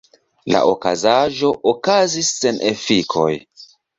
La okazaĵo okazis sen efikoj.